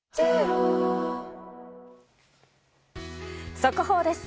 速報です。